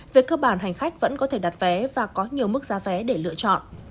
về cơ bản hành khách vẫn có thể đặt vé và có nhiều mức giá vé để lựa chọn